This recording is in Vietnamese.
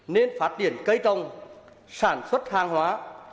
nên phát triển cây tông sản xuất hàng hóa